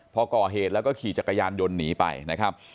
พอก่อเหตุแล้วก็ขี่จักรยานยนต์หนีไปนะครับ